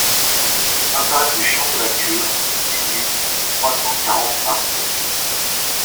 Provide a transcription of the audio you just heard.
Impasse du Champ de la Cure, dix-huit, trois cent quarante Arçay